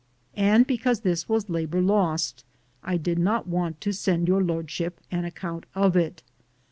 And, because this was labor lost, I did not want to send Tour Lordship an account of it.